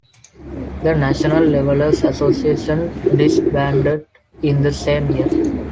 The National Levelers Association disbanded in the same year.